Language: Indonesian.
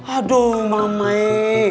aduh mama e